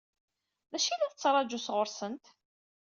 D acu i la tettṛaǧu sɣur-sent?